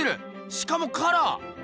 しかもカラー！